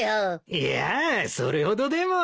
いやぁそれほどでも。